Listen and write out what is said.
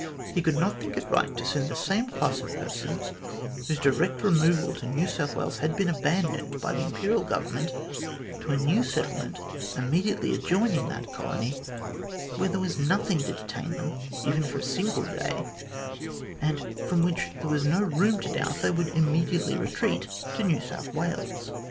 He could not think it right to send the same class of persons, whose direct removal to New South Wales had been abandoned by the Imperial Government, to a new settlement immediately adjoining that colony, where there was nothing to detain them even for a single day, and from which there was no room to doubt they would immediately retreat to New South Wales.